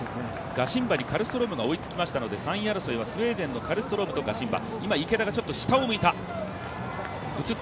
ガシンバにカルストロームが追いつきましたので３位争いはスウェーデンのカルストロームとガシンバ。